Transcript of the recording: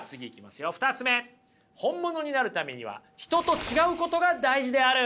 ２つ目本物になるためには人と違うことが大事である。